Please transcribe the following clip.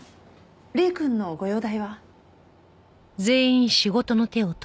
礼くんのご容体は？